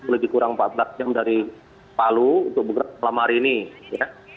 lebih kurang empat belas jam dari palu untuk bergerak malam hari ini ya